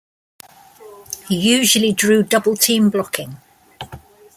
He usually drew double-team blocking.